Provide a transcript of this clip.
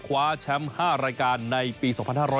คว้าแชมป์๕รายการในปี๒๕๖๐